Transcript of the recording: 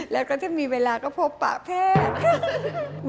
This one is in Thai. แล้วก็ถ้ามีเวลาก็พบปะแพทย์